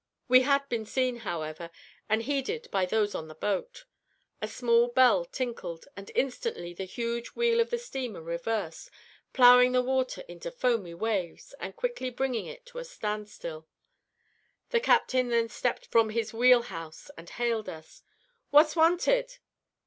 We had been seen, however, and heeded by those on the boat. A small bell tinkled, and instantly the huge wheel of the steamer reversed, plowing the water into foamy waves, and quickly bringing it to a stand still. The captain then stepped from his wheelhouse and hailed us: "What's wanted?"